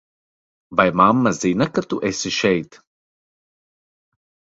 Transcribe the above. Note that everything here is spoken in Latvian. Vai mamma zina, ka tu esi šeit?